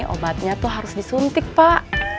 obatnya tuh harus disuntik pak